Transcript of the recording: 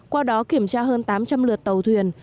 qua đó kiểm tra hơn tám trăm linh lượt tàu thuyền